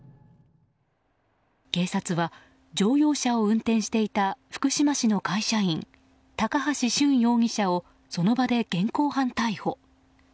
警察は乗用車を運転していた福島市の会社員高橋俊容疑者をその場で現行犯逮捕。